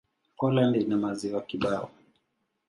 Poland ina maziwa kibao.